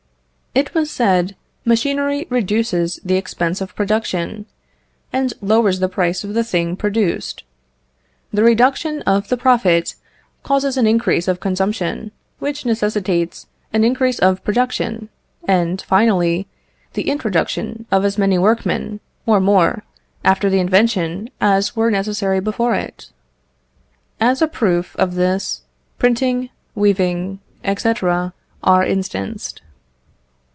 It was said, machinery reduces the expense of production, and lowers the price of the thing produced. The reduction of the profit causes an increase of consumption, which necessitates an increase of production; and, finally, the introduction of as many workmen, or more, after the invention as were necessary before it. As a proof of this, printing, weaving, &c., are instanced.